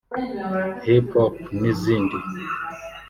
Hiphop n’izindi